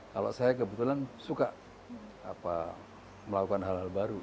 kalau saya kebetulan suka melakukan hal hal baru